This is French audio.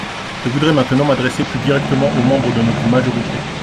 Je voudrais maintenant m’adresser plus directement aux membres de notre majorité.